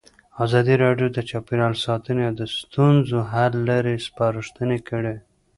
ازادي راډیو د چاپیریال ساتنه د ستونزو حل لارې سپارښتنې کړي.